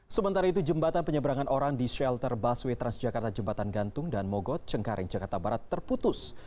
sementara itu jembatan penyeberangan orang di shelter busway transjakarta jembatan gantung dan mogot cengkareng jakarta barat terputus